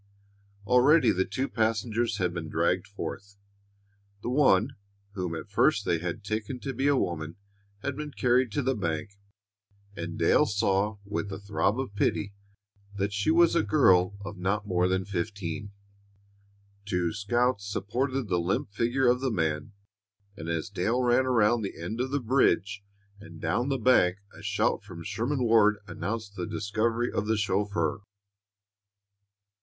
Already the two passengers had been dragged forth. The one whom at first they had taken to be a woman had been carried to the bank, and Dale saw, with a throb of pity, that she was a girl of not more than fifteen. Two scouts supported the limp figure of the man, and as Dale ran around the end of the bridge and down the bank a shout from Sherman Ward announced the discovery of the chauffeur.